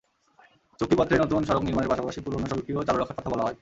চুক্তিপত্রে নতুন সড়ক নির্মাণের পাশাপাশি পুরোনো সড়কটিও চালু রাখার কথা বলা হয়।